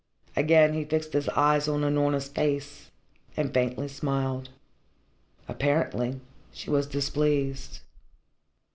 Again he fixed his eyes on Unorna's face and faintly smiled. Apparently she was displeased.